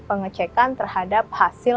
pengecekan terhadap hasil